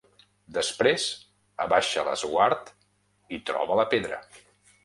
Després abaixa l'esguard i troba la pedra.